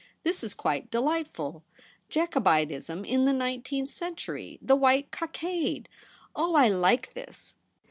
' This is quite delightful ; Jacobitism in the nineteenth century— the White Cockade ! Oh, I like this